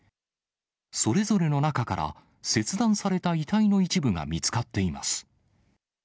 それぞれの中から切断された遺体の一部が見つかっています。